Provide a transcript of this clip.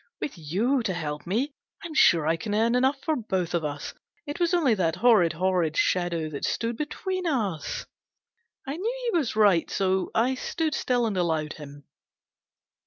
With you to help me, I'm sure I can earn enough for both of us. It was only that horrid, horrid shadow that stood between us !" I knew he was right, so I stood still and allowed him.